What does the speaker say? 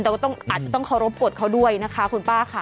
อาจจะต้องเคารพกฎเขาด้วยนะคะคุณป้าค่ะ